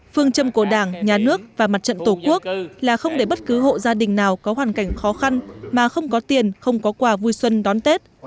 phương châm của đảng nhà nước và mặt trận tổ quốc là không để bất cứ hộ gia đình nào có hoàn cảnh khó khăn mà không có tiền không có quà vui xuân đón tết